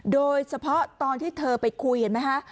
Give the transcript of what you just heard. โดยเฉพาะตอนที่เธอไปคุยเห็นไหมคะ